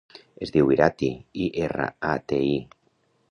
Es diu Irati: i, erra, a, te, i.